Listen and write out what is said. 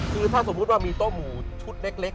คือถ้าสมมุติว่ามีโต๊ะหมูชุดเล็ก